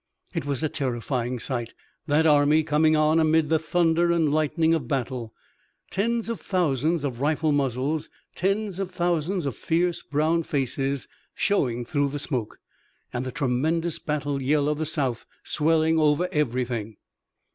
It was a terrifying sight, that army coming on amid the thunder and lightning of battle, tens of thousands of rifle muzzles, tens of thousands of fierce brown faces showing through the smoke, and the tremendous battle yell of the South swelling over everything.